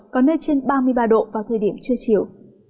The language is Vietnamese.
có nơi trên ba mươi ba độ vào thời điểm trưa chiều